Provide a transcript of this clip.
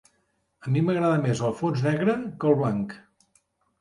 A mi m'agrada més el fons negre que el blanc.